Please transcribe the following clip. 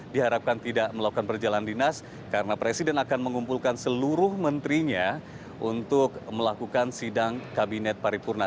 diharapkan tidak melakukan perjalanan dinas karena presiden akan mengumpulkan seluruh menterinya untuk melakukan sidang kabinet paripurna